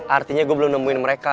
artinya gue belum nemuin mereka